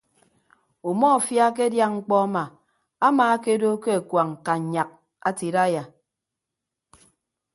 Umọfia akedia mkpọ ama amaakedo ke akuañ kannyak ate idaiya.